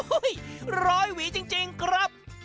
ร้อยหวีจริงครับ